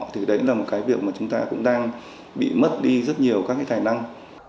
thì đấy là một cái việc mà chúng ta cũng đang bị mất đi rất nhiều các cái tài năng